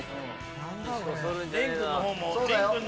そうだよ。